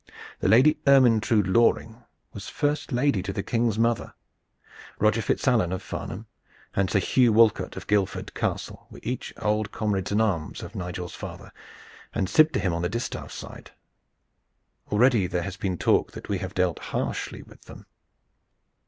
The Lady Ermyntrude Loring was first lady to the King's mother. Roger FitzAlan of Farnham and Sir Hugh Walcott of Guildford Castle were each old comrades in arms of Nigel's father, and sib to him on the distaff side. Already there has been talk that we have dealt harshly with them.